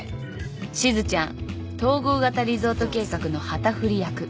しずちゃん統合型リゾート計画の旗振り役。